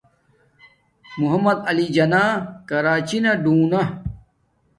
محمد علی جناح کراچی نا ڑونا